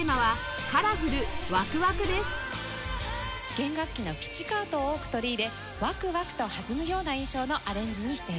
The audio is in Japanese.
弦楽器のピチカートを多く取り入れワクワクと弾むような印象のアレンジにしている事。